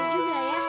bisa juga ya